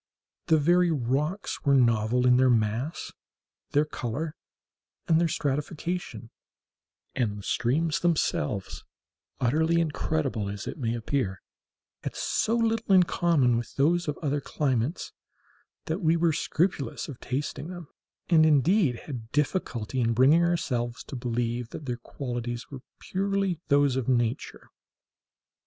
The very rocks were novel in their mass, their color, and their stratification; and the streams themselves, utterly incredible as it may appear, had so little in common with those of other climates, that we were scrupulous of tasting them, and, indeed, had difficulty in bringing ourselves to believe that their qualities were purely those of nature.